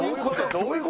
どういう事？